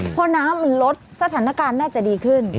พอน้ำมันลดสถานการณ์น่าจะดีขึ้น